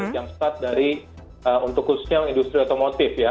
jumpstart dari untuk khususnya industri otomotif ya